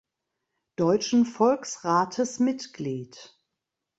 Deutschen Volksrates Mitglied.